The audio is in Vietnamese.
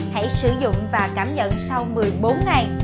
hãy sử dụng và cảm nhận sau một mươi bốn ngày